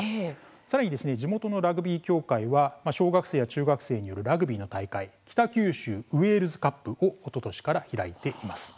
さらに地元のラグビー協会は小学生や中学生によるラグビーの大会北九州ウェールズカップをおととしから開いています。